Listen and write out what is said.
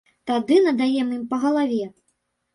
Тады надаем ім па галаве!